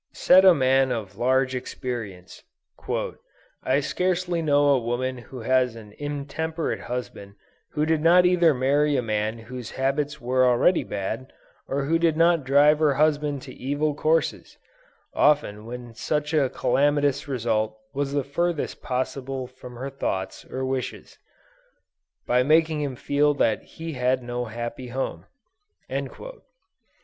Said a man of large experience, "I scarcely know a woman who has an intemperate husband, who did not either marry a man whose habits were already bad, or who did not drive her husband to evil courses, (often when such a calamitous result was the furthest possible from her thoughts or wishes,) by making him feel that he had no happy home."